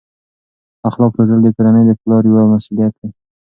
اخلاق روزل د کورنۍ د پلار یوه مسؤلیت ده.